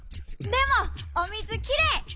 でもおみずきれい！